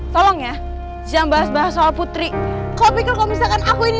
tolong ya jangan bahas bahas soal putri kopi kalau misalkan aku ini